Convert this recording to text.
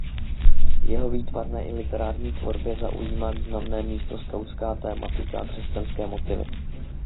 V jeho výtvarné i literární tvorbě zaujímá významné místo skautská tematika a křesťanské motivy.